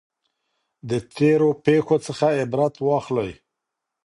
د تیرو پیښو څخه عبرت واخلئ.